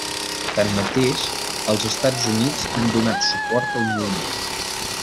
Tanmateix, els Estats Units han donat suport al moviment.